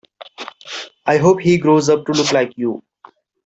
I hope he grows up to look like you.